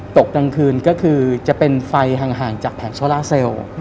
กลางคืนก็คือจะเป็นไฟห่างจากแผงโซล่าเซลล์